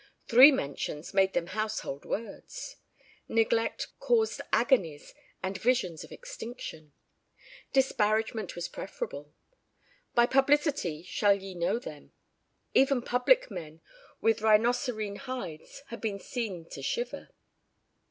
Three mentions made them household words. Neglect caused agonies and visions of extinction. Disparagement was preferable. By publicity shall ye know them. Even public men with rhinocerene hides had been seen to shiver.